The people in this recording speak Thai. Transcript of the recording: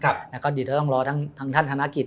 แล้วก็เดี๋ยวต้องรอทางท่านธนกิจ